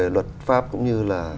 luật pháp cũng như là